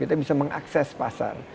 kita bisa mengakses pasar